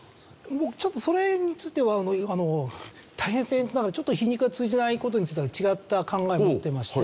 僕ちょっとそれについては大変僭越ながらちょっと皮肉が通じない事については違った考えを持ってまして。